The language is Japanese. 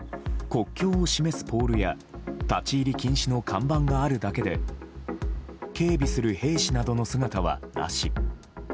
国境を示すポールや立ち入り禁止の看板があるだけで警備する兵士などの姿はなし。